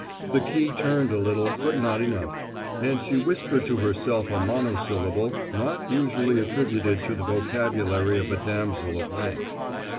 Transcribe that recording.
The key turned a little, but not enough; and she whispered to herself a monosyllable not usually attributed to the vocabulary of a damsel of rank.